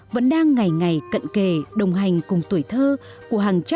vẫn đang ngày ngày cận kề đồng hành với chúng ta